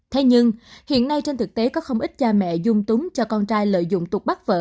thế nhưng hiện nay trên thực tế có không ít cha mẹ dung túng cho con trai lợi dụng tục bắt vợ